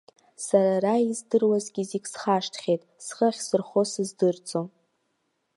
Сара ара издыруаз зегьы схашҭхьеит, схы ахьсырхо сыздырӡом.